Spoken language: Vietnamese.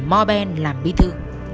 mò ben làm bí thự